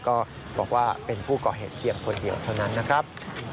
ก็บอกว่าเป็นผู้ก่อเหตุเพียงคนเดียวเท่านั้นนะครับ